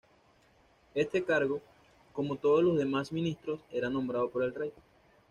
Este cargo, como todos los demás ministros, era nombrado por el Rey.